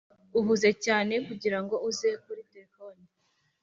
uhuze cyane kugirango uze kuri terefone.